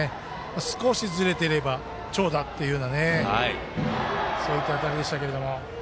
少しずれてれば長打っていうようなそういった当たりでしたけど。